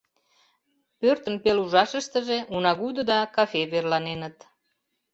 Пӧртын пел ужашыштыже унагудо да кафе верланеныт.